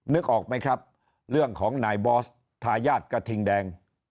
นึกออกไหมครับเรื่องของนายบอสทายาทกระทิงแดง